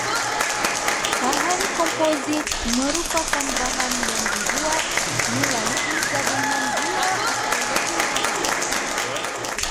Bahan komposit merupakan bahan yang dibuat melalui gabungan dua atau lebih bahan